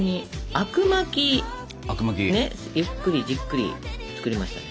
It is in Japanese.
あくまきねゆっくりじっくり作りましたね。